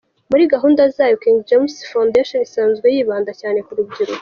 Muri gahunda zayo King James Fondation isanzwe yibanda cyane ku rubyiruko.